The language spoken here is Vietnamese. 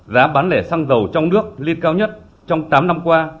giá bán lẻ xăng dầu trong nước lên cao nhất trong tám năm qua